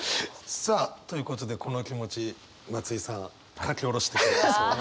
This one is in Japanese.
さあということでこの気持ち松居さん書き下ろしてくれたそうで。